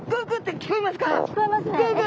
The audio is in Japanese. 聞こえますね。